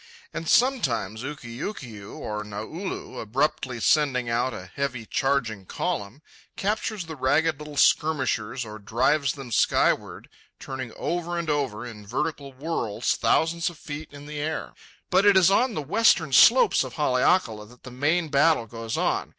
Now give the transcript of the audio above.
And sometimes Ukiukiu or Naulu, abruptly sending out a heavy charging column, captures the ragged little skirmishers or drives them skyward, turning over and over, in vertical whirls, thousands of feet in the air. But it is on the western slopes of Haleakala that the main battle goes on.